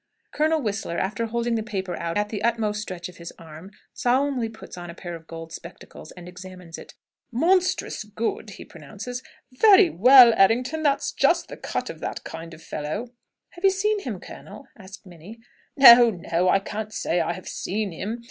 Colonel Whistler, after holding the paper out at the utmost stretch of his arm, solemnly puts on a pair of gold spectacles and examines it. "Monstrous good!" he pronounces. "Very well, Errington! That's just the cut of that kind of fellow." "Have you seen him, colonel?" asks Minnie. "No no; I can't say I have seen him.